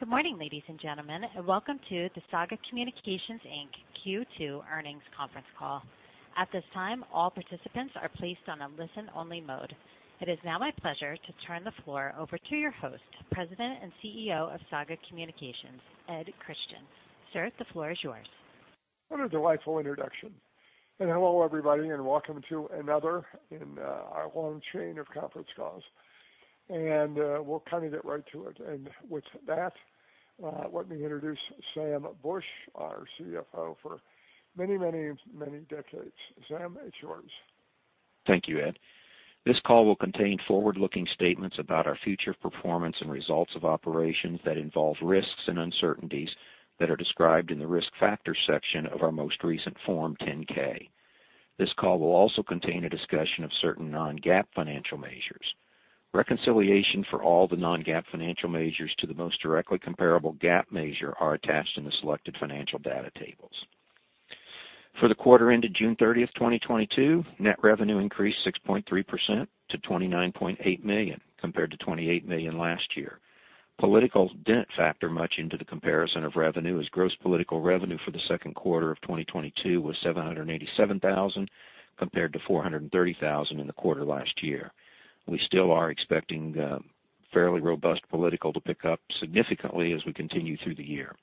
Good morning, ladies and gentlemen, and welcome to the Saga Communications, Inc. Q2 Earnings Conference Call. At this time, all participants are placed on a listen-only mode. It is now my pleasure to turn the floor over to your host, President and CEO of Saga Communications, Ed Christian. Sir, the floor is yours. What a delightful introduction. Hello, everybody, and welcome to another in our long chain of conference calls. We'll kind of get right to it. With that, let me introduce Sam Bush, our CFO for many, many, many decades. Sam, it's yours. Thank you, Ed. This call will contain forward-looking statements about our future performance and results of operations that involve risks and uncertainties that are described in the Risk Factors section of our most recent Form 10-K. This call will also contain a discussion of certain non-GAAP financial measures. Reconciliation for all the non-GAAP financial measures to the most directly comparable GAAP measure are attached in the selected financial data tables. For the quarter ended June 30, 2022, net revenue increased 6.3% to $29.8 million, compared to $28 million last year. Political didn't factor much into the comparison of revenue, as gross political revenue for the second quarter of 2022 was $787,000, compared to $430,000 in the quarter last year. We still are expecting fairly robust political to pick up significantly as we continue through the year.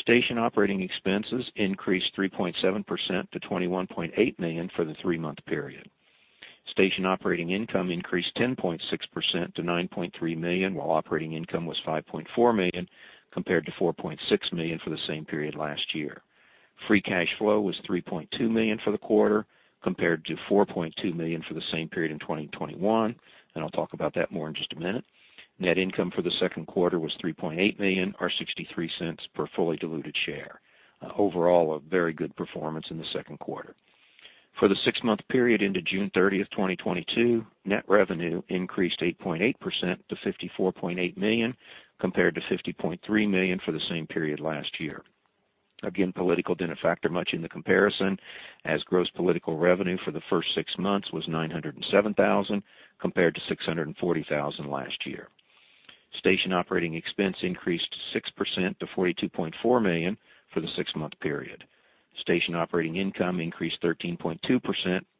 Station operating expenses increased 3.7% to $21.8 million for the three-month period. Station operating income increased 10.6% to $9.3 million, while operating income was $5.4 million compared to $4.6 million for the same period last year. Free cash flow was $3.2 million for the quarter compared to $4.2 million for the same period in 2021, and I'll talk about that more in just a minute. Net income for the Q2 was $3.8 million or $0.63 per fully diluted share. Overall, a very good performance in the Q2. For the six-month period ended June 30, 2022, net revenue increased 8.8% to $54.8 million, compared to $50.3 million for the same period last year. Again, political didn't factor much in the comparison, as gross political revenue for the first six months was $907,000 compared to $640,000 last year. Station operating expenses increased 6% to $42.4 million for the six-month period. Station operating income increased 13.2%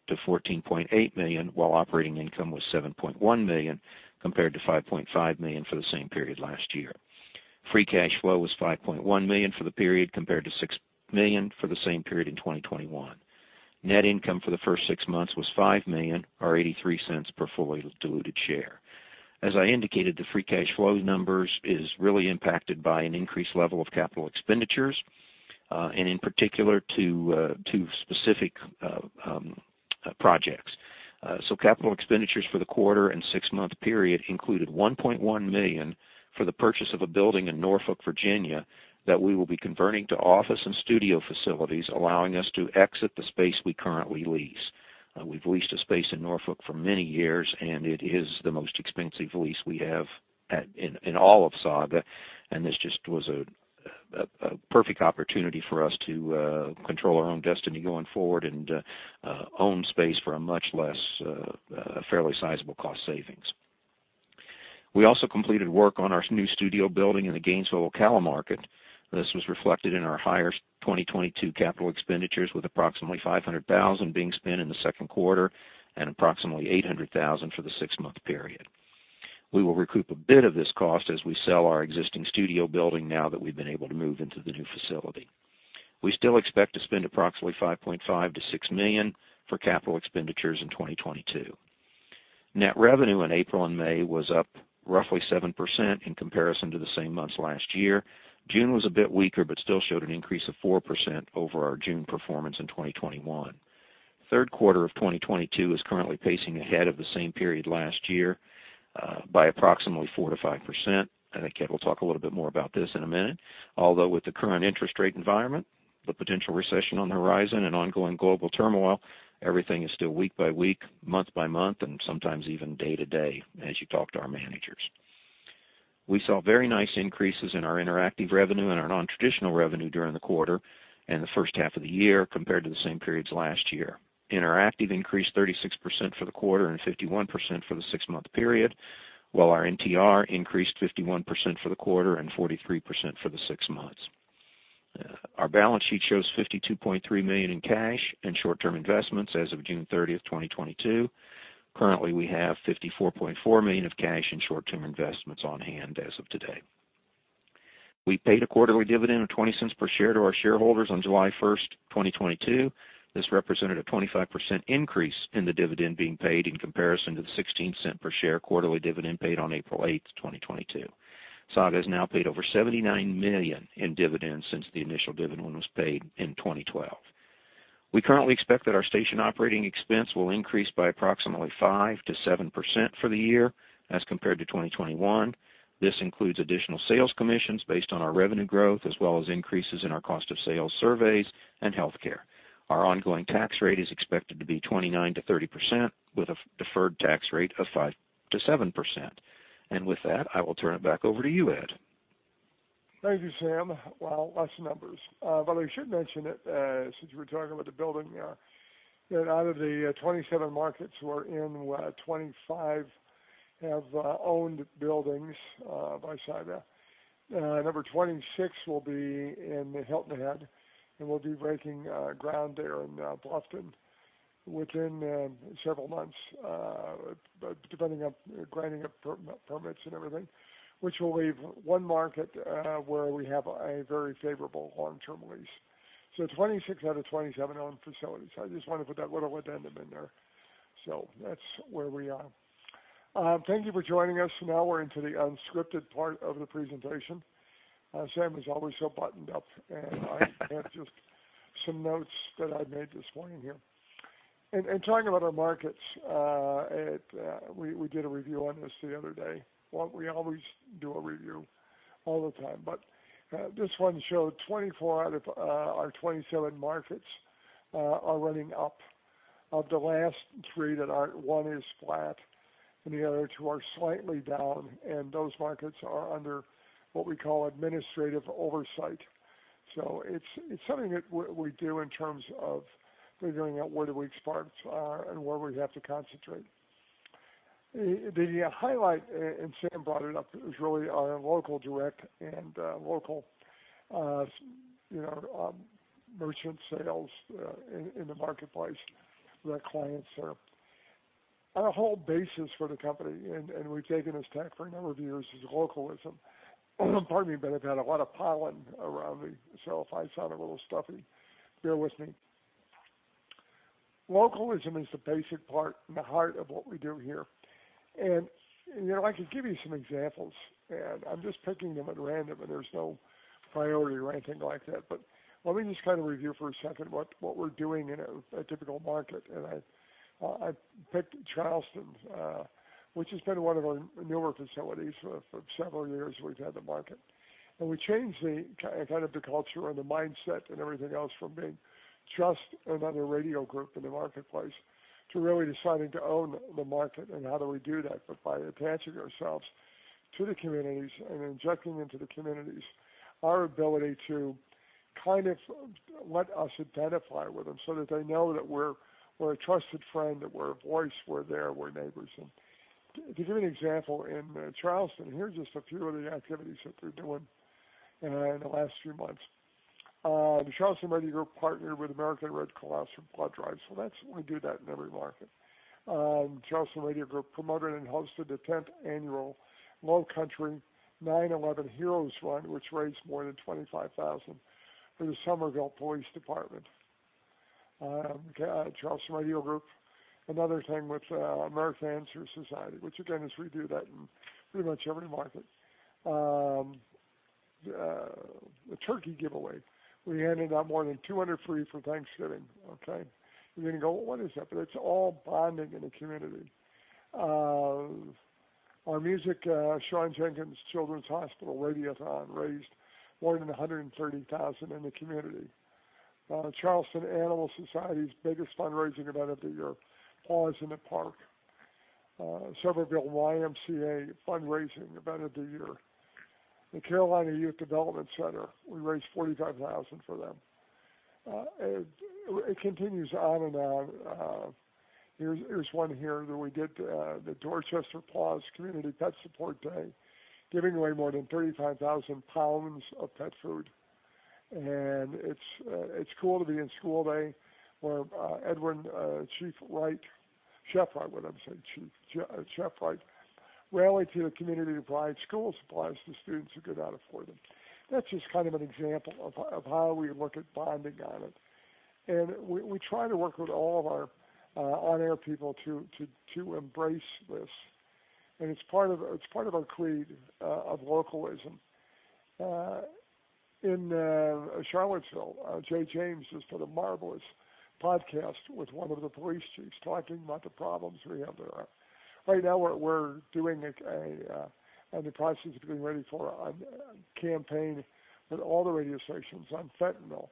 to $14.8 million, while operating income was $7.1 million compared to $5.5 million for the same period last year. Free cash flow was $5.1 million for the period compared to $6 million for the same period in 2021. Net income for the first six months was $5 million or $0.83 per fully diluted share. As I indicated, the free cash flow numbers is really impacted by an increased level of capital expenditures, and in particular to specific projects. Capital expenditures for the quarter and six-month period included $1.1 million for the purchase of a building in Norfolk, Virginia, that we will be converting to office and studio facilities, allowing us to exit the space we currently lease. We've leased a space in Norfolk for many years, and it is the most expensive lease we have in all of Saga, and this just was a perfect opportunity for us to control our own destiny going forward and own space for a much less fairly sizable cost savings. We also completed work on our new studio building in the Gainesville/Ocala market. This was reflected in our higher 2022 capital expenditures with approximately $500,000 being spent in the second quarter and approximately $800,000 for the six-month period. We will recoup a bit of this cost as we sell our existing studio building now that we've been able to move into the new facility. We still expect to spend approximately $5.5 to $6 million for capital expenditures in 2022. Net revenue in April and May was up roughly 7% in comparison to the same months last year. June was a bit weaker, but still showed an increase of 4% over our June performance in 2021. Q3 of 2022 is currently pacing ahead of the same period last year by approximately 4% to 5%, and again, we'll talk a little bit more about this in a minute. Although with the current interest rate environment, the potential recession on the horizon and ongoing global turmoil, everything is still week by week, month by month, and sometimes even day to day as you talk to our managers. We saw very nice increases in our interactive revenue and our nontraditional revenue during the quarter and the first half of the year compared to the same periods last year. Interactive increased 36% for the quarter and 51% for the six-month period, while our NTR increased 51% for the quarter and 43% for the six months. Our balance sheet shows $52.3 million in cash and short-term investments as of June 30, 2022. Currently, we have $54.4 million of cash and short-term investments on hand as of today. We paid a quarterly dividend of $0.20 per share to our shareholders on July 1, 2022. This represented a 25% increase in the dividend being paid in comparison to the $0.16 per share quarterly dividend paid on April 8, 2022. Saga has now paid over $79 million in dividends since the initial dividend was paid in 2012. We currently expect that our station operating expense will increase by approximately 5% to 7% for the year as compared to 2021. This includes additional sales commissions based on our revenue growth as well as increases in our cost of sales surveys and healthcare. Our ongoing tax rate is expected to be 29% to 30% with a deferred tax rate of 5% to 7%. With that, I will turn it back over to you, Ed. Thank you, Sam. Well, less numbers. But I should mention it, since we're talking about the building there, that out of the 27 markets we're in, 25 have owned buildings by Saga. Number 26 will be in Hilton Head, and we'll be breaking ground there in Bluffton within several months, but depending on getting our permits and everything, which will leave one market where we have a very favorable long-term lease. 26 out of 27 owned facilities. I just wanna put that little addendum in there. That's where we are. Thank you for joining us. Now we're into the unscripted part of the presentation. Sam is always so buttoned up, and I have just some notes that I made this morning here. Talking about our markets, we did a review on this the other day. Well, we always do a review all the time, but this one showed 24 out of our 27 markets are running up. Of the last three that aren't, one is flat, and the other two are slightly down, and those markets are under what we call administrative oversight. It's something that we do in terms of figuring out where do we expand and where we have to concentrate. The highlight, and Sam brought it up, is really our local direct and local, you know, merchant sales in the marketplace that clients are. Our whole basis for the company, we've taken this tack for a number of years, is localism. Pardon me, but I've had a lot of pollen around me, so if I sound a little stuffy, bear with me. Localism is the basic part and the heart of what we do here. You know, I could give you some examples, and I'm just picking them at random, and there's no priority or anything like that. Let me just kinda review for a second what we're doing in a typical market. I picked Charleston, which has been one of our newer facilities. For several years we've had the market. We changed the kind of the culture and the mindset and everything else from being just another radio group in the marketplace to really deciding to own the market. How do we do that? By attaching ourselves to the communities and injecting into the communities our ability to kind of let us identify with them so that they know that we're a trusted friend, that we're a voice, we're there, we're neighbors. To give you an example, in Charleston, here are just a few of the activities that we're doing in the last few months. The Charleston Radio Group partnered with American Red Cross for blood drives. That's. We do that in every market. Charleston Radio Group promoted and hosted the tenth annual Lowcountry 9/11 Heroes Run, which raised more than $25,000 for the Summerville Police Department. Charleston Radio Group, another thing with American Cancer Society, which again is we do that in pretty much every market. The turkey giveaway, we handed out more than 200 free for Thanksgiving, okay? You go, "What is that?" It's all bonding in the community. Our MUSC Shawn Jenkins Children's Hospital Radiothon raised more than $130,000 in the community. Charleston Animal Society's biggest fundraising event of the year, Paws in the Park. Summerville YMCA fundraising event of the year. The Carolina Youth Development Center, we raised $45,000 for them. It continues on and on. Here's one here that we did, the Dorchester Paws Community Pet Support Day, giving away more than 35,000 pounds of pet food. It's cool to be in school day, where Edwin, Chief Wright, Sheffner, what I'm saying, Chief Sheffner rallied the community to provide school supplies to students who could not afford them. That's just kind of an example of how we look at building on it. We try to work with all of our on-air people to embrace this. It's part of our creed of localism. In Charlottesville, Jay James just did a marvelous podcast with one of the police chiefs talking about the problems we have there. Right now we're in the process of getting ready for a campaign with all the radio stations on fentanyl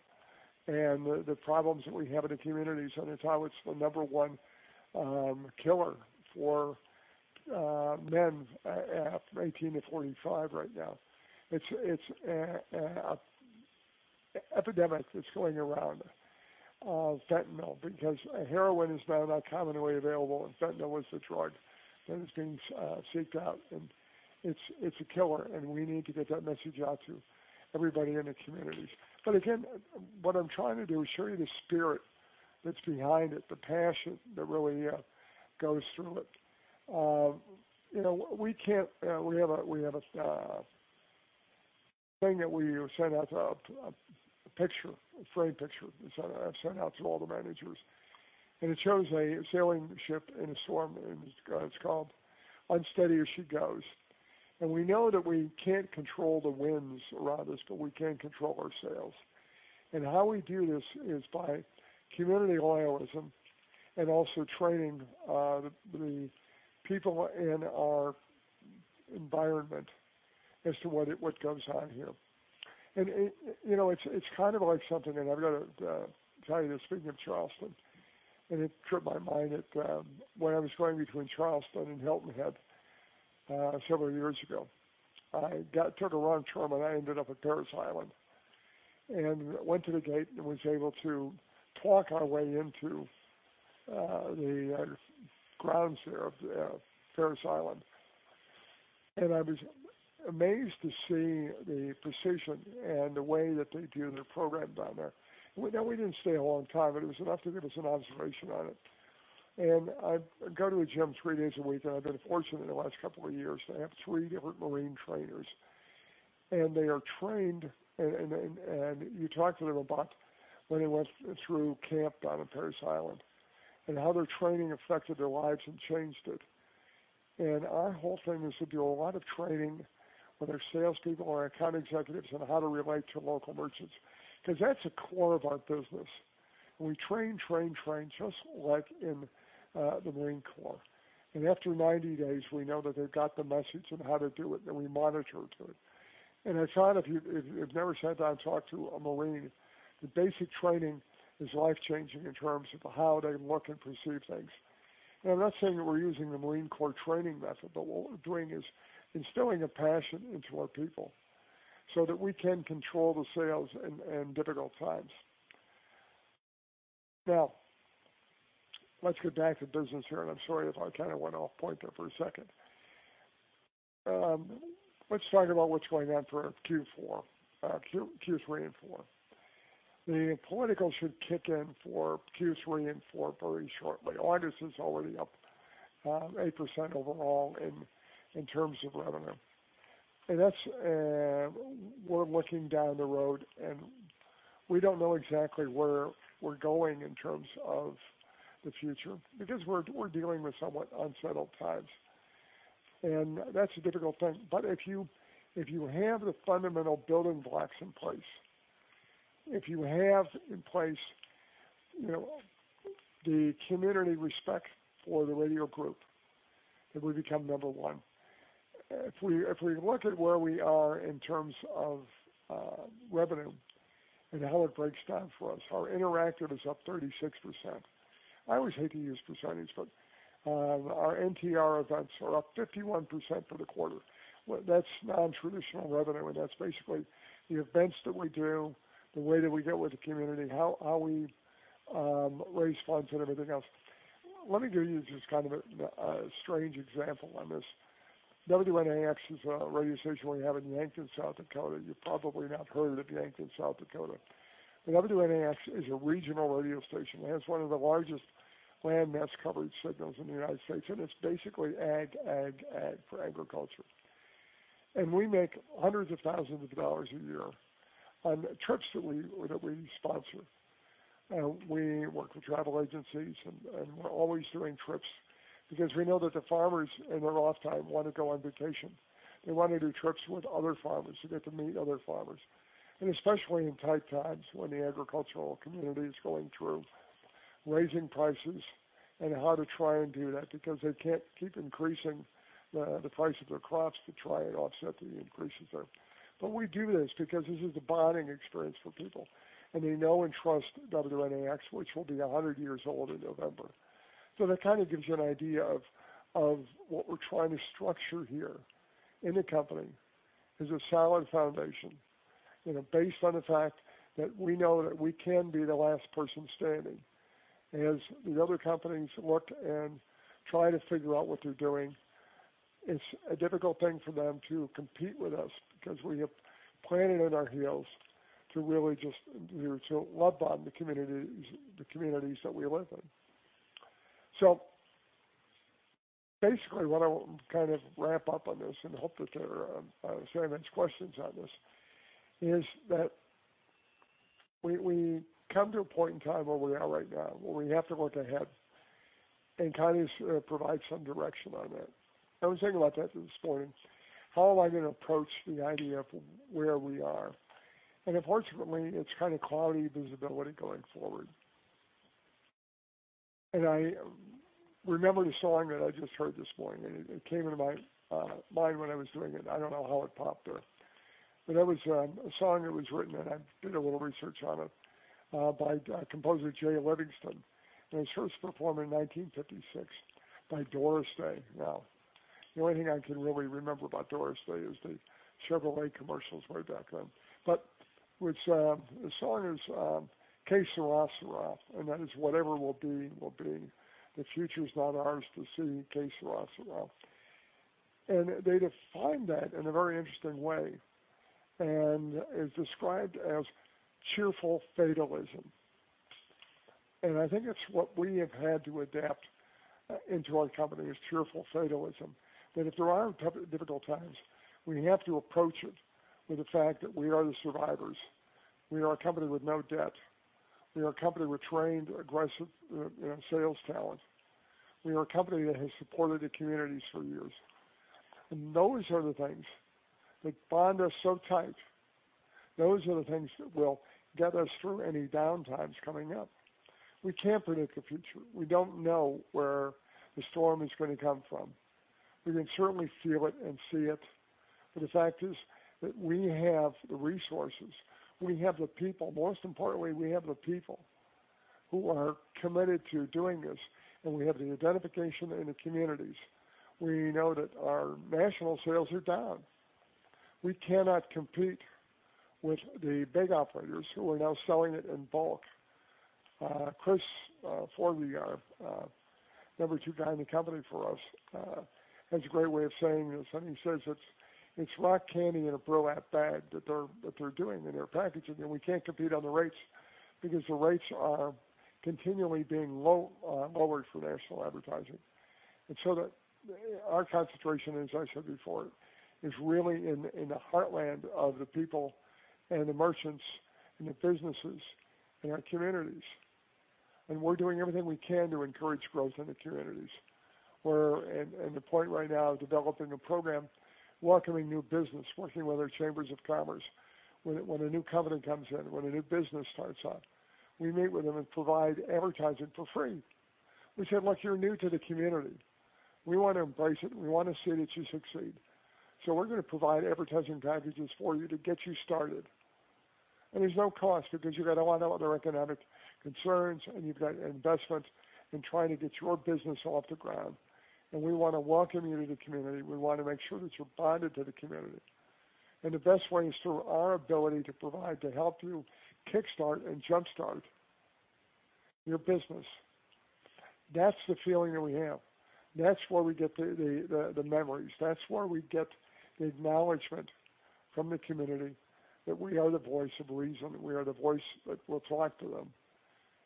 and the problems that we have in the communities, and it's the number one killer for men at 18 to 45 right now. It's an epidemic that's going around, fentanyl, because heroin is not as commonly available, and fentanyl is the drug that is being sought out, and it's a killer, and we need to get that message out to everybody in the communities. Again, what I'm trying to do is show you the spirit that's behind it, the passion that really goes through it. You know, we have a thing that we send out, a framed picture that I sent out to all the managers, and it shows a sailing ship in a storm, and it's called Unsteady As She Goes. We know that we can't control the winds around us, but we can control our sails. How we do this is by community localism and also training the people in our environment as to what goes on here. It you know it's kind of like something and I've got to tell you this speaking of Charleston. It triggered my mind that when I was going between Charleston and Hilton Head several years ago I took a wrong turn and I ended up at Parris Island. I went to the gate and was able to talk our way into the grounds there of Parris Island. I was amazed to see the precision and the way that they do their program down there. Now we didn't stay a long time but it was enough to give us an observation on it. I go to a gym three days a week, and I've been fortunate in the last couple of years to have three different Marine trainers. They are trained, and you talk to them about when they went through camp down in Parris Island and how their training affected their lives and changed it. Our whole thing is to do a lot of training with our salespeople or account executives on how to relate to local merchants because that's the core of our business. We train, train, just like in the Marine Corps. After 90 days, we know that they've got the message on how to do it, then we monitor to it. I thought if you've never sat down and talked to a Marine, the basic training is life-changing in terms of how they look and perceive things. I'm not saying that we're using the Marine Corps training method, but what we're doing is instilling a passion into our people so that we can control the sales in difficult times. Now, let's get back to business here, and I'm sorry if I kinda went off-point there for a second. Let's talk about what's going on for Q3 and Q4. The political should kick in for Q3 and Q4 very shortly. August is already up 8% overall in terms of revenue. We're looking down the road, and we don't know exactly where we're going in terms of the future because we're dealing with somewhat unsettled times. That's a difficult thing. If you have the fundamental building blocks in place, you know, the community respect for the radio group, then we become number one. If we look at where we are in terms of revenue and how it breaks down for us, our interactive is up 36%. I always hate to use percentage, but our NTR events are up 51% for the quarter. That's nontraditional revenue, and that's basically the events that we do, the way that we get with the community, how we raise funds and everything else. Let me give you just kind of a strange example on this. WNAX is a radio station we have in Yankton, South Dakota. You've probably not heard of Yankton, South Dakota. WNAX is a regional radio station. It has one of the largest landmass coverage signals in the United States, and it's basically ag for agriculture. We make hundreds of thousands of dollars a year on trips that we sponsor. We work with travel agencies, and we're always doing trips because we know that the farmers in their off time wanna go on vacation. They wanna do trips with other farmers to get to meet other farmers. Especially in tight times when the agricultural community is going through raising prices and how to try and do that because they can't keep increasing the price of their crops to try and offset the increases there. We do this because this is a bonding experience for people, and they know and trust WNAX, which will be 100 years old in November. That kinda gives you an idea of what we're trying to structure here in the company is a solid foundation, you know, based on the fact that we know that we can be the last person standing. As these other companies look and try to figure out what they're doing, it's a difficult thing for them to compete with us because we have planning in our heels to really just, you know, to love bond the communities that we live in. Basically, what I want to kind of wrap up on this and hope that there are so many questions on this, is that we come to a point in time where we are right now, where we have to look ahead and kind of provide some direction on that. I was thinking about that this morning. How am I gonna approach the idea of where we are? Unfortunately, it's kind of cloudy visibility going forward. I remember the song that I just heard this morning, and it came into my mind when I was doing it. I don't know how it popped there. It was a song that was written, and I did a little research on it, by composer Jay Livingston. It was first performed in 1956 by Doris Day. Now, the only thing I can really remember about Doris Day is the Chevrolet commercials way back then, but the song is Que Sera, and that is whatever will be, will be. The future's not ours to see, Que Sera. They define that in a very interesting way, and it's described as cheerful fatalism. I think it's what we have had to adapt into our company is cheerful fatalism, that if there are difficult times, we have to approach it with the fact that we are the survivors. We are a company with no debt. We are a company with trained, aggressive, you know, sales talent. We are a company that has supported the communities for years. Those are the things that bond us so tight. Those are the things that will get us through any downtimes coming up. We can't predict the future. We don't know where the storm is gonna come from. We can certainly feel it and see it. But the fact is that we have the resources, we have the people. Most importantly, we have the people who are committed to doing this, and we have the identification in the communities. We know that our national sales are down. We cannot compete with the big operators who are now selling it in bulk. Chris Forgy, our number two guy in the company, has a great way of saying something. He says it's rock candy in a brown paper bag that they're doing in their packaging, and we can't compete on the rates because the rates are continually being lowered for national advertising. Our concentration, as I said before, is really in the heartland of the people and the merchants and the businesses and our communities. We're doing everything we can to encourage growth in the communities. The point right now, developing a program, welcoming new business, working with our chambers of commerce. When a new covenant comes in, when a new business starts up, we meet with them and provide advertising for free. We said, "Look, you're new to the community. We want to embrace it. We want to see that you succeed. So we're going to provide advertising packages for you to get you started. And there's no cost because you got a lot of other economic concerns, and you've got investments in trying to get your business off the ground. And we want to welcome you to the community. We want to make sure that you're bonded to the community. And the best way is through our ability to provide, to help you kickstart and jumpstart your business." That's the feeling that we have. That's where we get the memories. That's where we get the acknowledgment from the community that we are the voice of reason, we are the voice that will talk to them,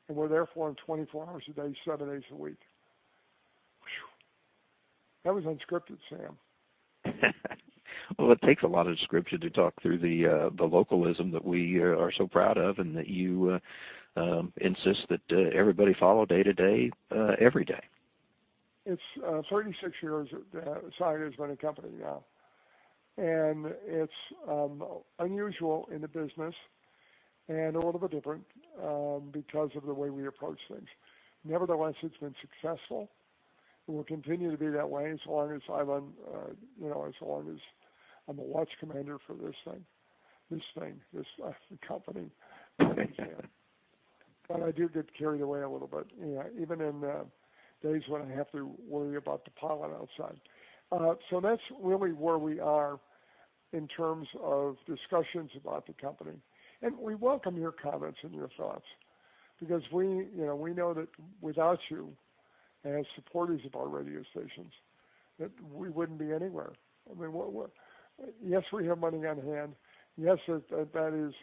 and we're there for them 24 hours a day, seven days a week. Phew. That was unscripted, Sam. Well, it takes a lot of scripture to talk through the localism that we are so proud of and that you insist that everybody follow day to day, every day. It's 36 years that Saga has been a company now. It's unusual in the business and a little bit different because of the way we approach things. Nevertheless, it's been successful, and we'll continue to be that way as long as I'm, you know, a watch commander for this thing. This thing, this company. I do get carried away a little bit, yeah, even in days when I have to worry about the pilot outside. That's really where we are in terms of discussions about the company. We welcome your comments and your thoughts because we, you know, we know that without you as supporters of our radio stations, that we wouldn't be anywhere. I mean, yes, we have money on hand. Yes, that is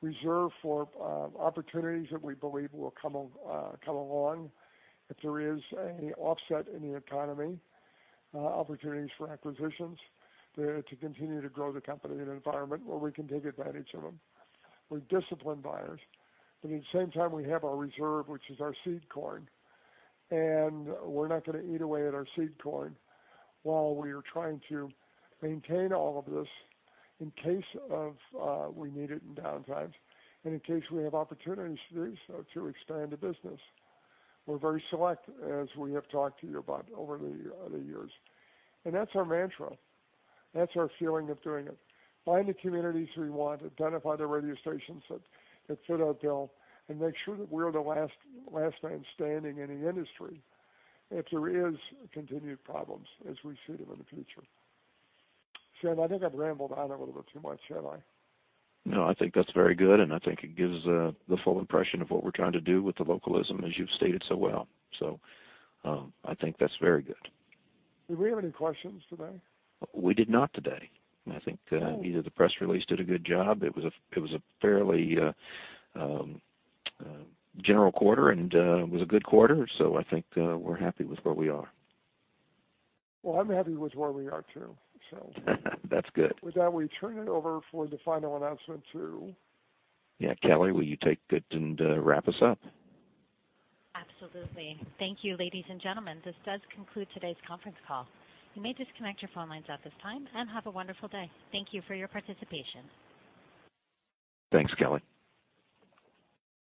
reserved for opportunities that we believe will come along. If there is any offset in the economy, opportunities for acquisitions to continue to grow the company in an environment where we can take advantage of them. We're disciplined buyers, but at the same time, we have our reserve, which is our seed corn, and we're not going to eat away at our seed corn while we are trying to maintain all of this in case we need it in downtimes. In case we have opportunities to do so, to expand the business. We're very select, as we have talked to you about over the years. That's our mantra, that's our feeling of doing it. Find the communities we want, identify the radio stations that fit our bill, and make sure that we're the last man standing in the industry if there is continued problems as we see them in the future. Sam, I think I've rambled on a little bit too much, have I? No, I think that's very good, and I think it gives the full impression of what we're trying to do with the localism as you've stated so well. I think that's very good. Did we have any questions today? We did not today. I think. Oh. Either the press release did a good job. It was a fairly general quarter and was a good quarter. I think we're happy with where we are. Well, I'm happy with where we are, too. That's good. With that, we turn it over for the final announcement to. Yeah. Kelly, will you take it and wrap us up? Absolutely. Thank you, ladies and gentlemen. This does conclude today's conference call. You may disconnect your phone lines at this time and have a wonderful day. Thank you for your participation. Thanks, Kelly.